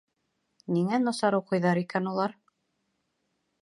Ниңә насар уҡыйҙар икән улар?..